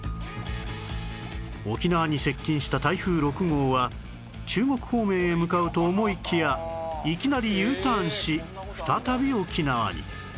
沖縄に接近した台風６号は中国方面へ向かうと思いきやいきなり Ｕ ターンし再び沖縄に